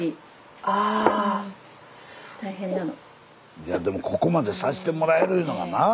いやでもここまでさせてもらえるいうのがな。